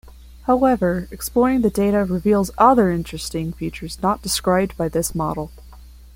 However, exploring the data reveals other interesting features not described by this model.